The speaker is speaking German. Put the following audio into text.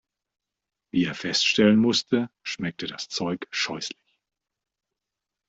Wie er feststellen musste, schmeckte das Zeug scheußlich.